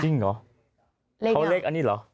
จริงเหรอเขาเลขอันนี้เหรอ